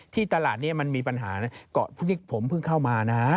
ที่ตลาดนี้มันมีปัญหาน่ะก็นี่ผมเพิ่งเข้ามานะ